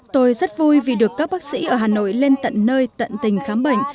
tôi rất vui vì được các bác sĩ ở hà nội lên tận nơi tận tình khám bệnh